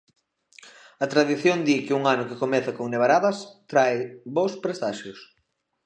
A tradición di que un ano que comeza con nevaradas trae bos presaxios.